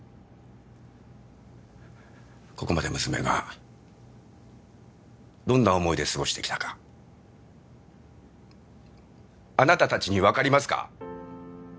ここまで娘がどんな思いで過ごしてきたかあなた達に分かりますか？